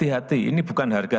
kita tanpa nasional itu juga